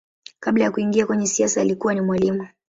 Kabla ya kuingia kwenye siasa alikuwa ni mwalimu.